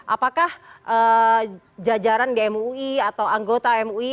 apakah jajaran di mui atau anggota mui